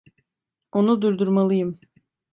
Onu durdurmalıyım.